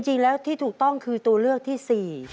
จริงแล้วที่ถูกต้องคือตัวเลือกที่๔